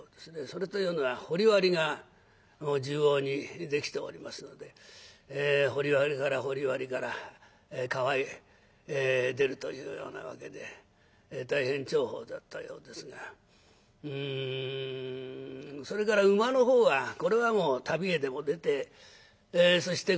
それというのは掘り割りが縦横にできておりますので掘り割りから掘り割りから川へ出るというようなわけで大変重宝だったようですがそれから馬の方はこれはもう旅へでも出てそして